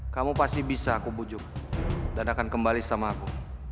kamu pasti bisa aku bujuk dan akan kembali sama aku